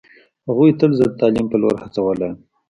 هغوی تل زه د تعلیم په لور هڅولی یم